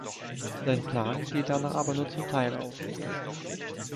Sein Plan geht danach aber nur zum Teil auf.